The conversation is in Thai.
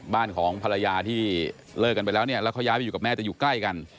บ้านของภรรยาที่เลิกกันไปแล้วเนี่ยแล้วเขาย้ายไปอยู่กับแม่แต่อยู่ใกล้กัน